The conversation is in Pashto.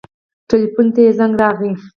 ټېلفون ته يې زنګ راغى.